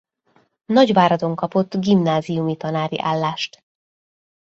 Nagyváradon kapott gimnáziumi tanári állást.